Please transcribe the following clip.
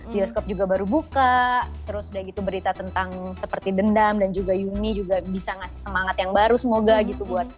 bioskop juga baru buka terus udah gitu berita tentang seperti dendam dan juga yuni juga bisa ngasih semangat yang baru semoga gitu buat